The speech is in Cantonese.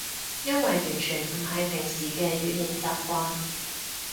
因為完全唔係平時嘅語言習慣